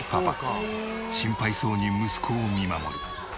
心配そうに息子を見守る。